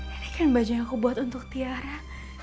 ini kan baju yang aku buat untuk tiara